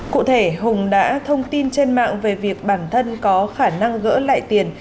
cụ thể hùng đã thông tin trên mạng về việc bản thân có khả năng gỡ lại tiền